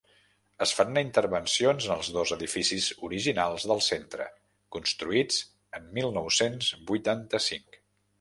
Es faran intervencions en els dos edificis originals del centre, construïts en mil nou-cents vuitanta-cinc.